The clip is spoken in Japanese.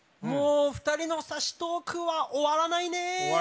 ２人のさしトークは終わらないね！